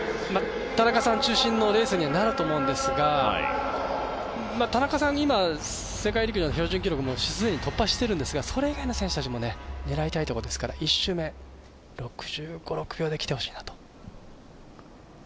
田中さん中心のレースにはなると思うんですが、田中さん、世界陸上の参加標準記録を突破しているんですがそれ以外の選手たちも狙いところですから１周目６５６６秒できてほしい。